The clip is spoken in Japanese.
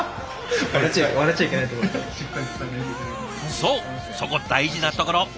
そうそこ大事なところ。